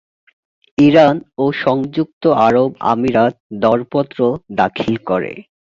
Iran ও সংযুক্ত আরব আমিরাত দরপত্র দাখিল করে।